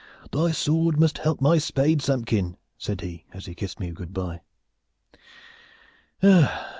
'Thy sword must help my spade, Samkin,' said he as he kissed me goodby. Ah!